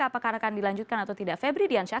apakah akan dilanjutkan atau tidak febri diansyah